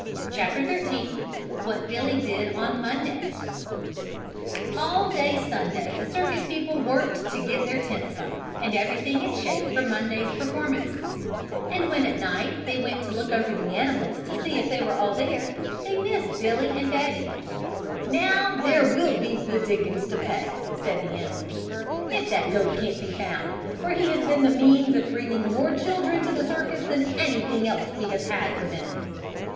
What Billy Did on Monday All day Sunday the circus people worked to get their tents up and everything in shape for the Monday's performances, and when at night they went to look over the animals to see if all were there they missed Billy and Betty. "Now there will be the dickens to pay," said the animal keeper, "if that goat can't be found for he has been the means of bringing more children to the circus than anything else we have had for them."